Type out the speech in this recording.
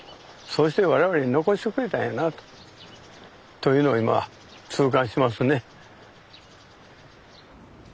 そうして我々に残してくれたんやなあと。というのを今痛感しますね。